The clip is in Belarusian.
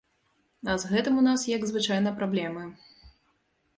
А з гэтым у нас, як звычайна, праблемы.